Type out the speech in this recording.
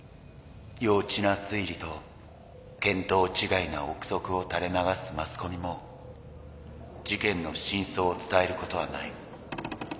幼稚な推理と見当違いな臆測を垂れ流すマスコミも事件の真相を伝えることはない。